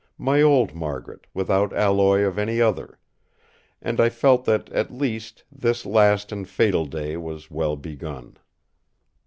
My old Margaret, without alloy of any other; and I felt that, at least, this last and fatal day was well begun.